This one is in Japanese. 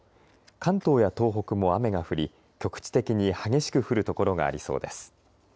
関東や東北も雨が降り局地的に激しく降る所がありそうです。